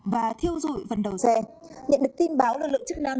và thiêu dụi phần đầu xe nhận được tin báo lực lượng chức năng